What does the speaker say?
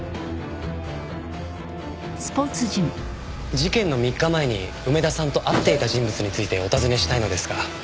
事件の３日前に梅田さんと会っていた人物についてお尋ねしたいのですが。